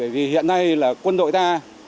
vì hiện nay là quân đội ta